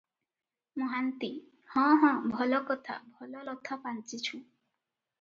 ମହାନ୍ତି-ହଁ -ହଁ, ଭଲ କଥା, ଭଲ ଲଥା ପାଞ୍ଚିଛୁ ।